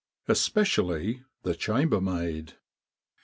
Especially the chambermaid.